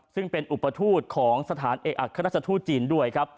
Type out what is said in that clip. ซึ่งเป็นอุปทูตของสถานเอกอักษรศาสตร์ทูตจีนด้วย